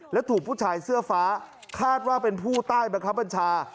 และถูกผู้ชายเสื้อฟ้าคาดว่าเป็นผู้ใต้บังคับบัญชา